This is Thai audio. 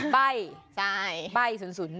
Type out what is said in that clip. ใบใบ๐๐๑